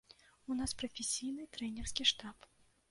У нас прафесійны трэнерскі штаб.